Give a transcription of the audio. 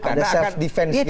ada self defense gitu ya